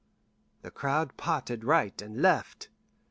The crowd parted right and left.